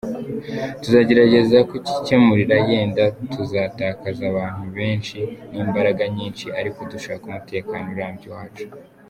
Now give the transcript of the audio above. Tuzagerageza kukikemurira, yenda tuzatakaza abantu benshi n’imbaraga nyinshi ariko dushake umutekano urambye iwacu.